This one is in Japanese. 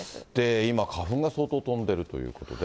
今、花粉が相当飛んでいるということで。